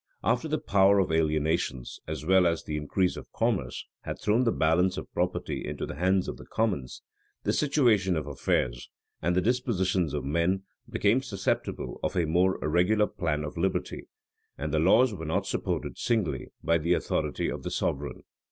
After the power of alienations, as well as the increase of commerce, had thrown the balance of property into the hands of the commons, the situation of affairs, and the dispositions of men, became susceptible of a more regular plan of liberty; and the laws were not supported singly by the authority of the sovereign.